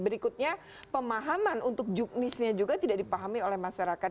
berikutnya pemahaman untuk juknisnya juga tidak dipahami oleh masyarakat